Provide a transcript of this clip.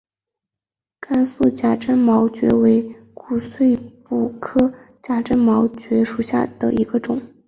甘肃假钻毛蕨为骨碎补科假钻毛蕨属下的一个种。